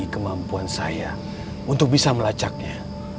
kemampuan saya untuk bisa melacaknya